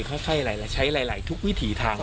ค่อยใช้หลายทุกวิถีทาง